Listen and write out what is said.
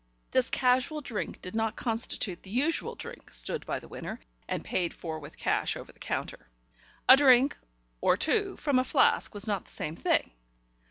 This casual drink did not constitute the usual drink stood by the winner, and paid for with cash over the counter. A drink (or two) from a flask was not the same thing.